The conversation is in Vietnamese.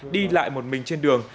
đi lại một mình trên đường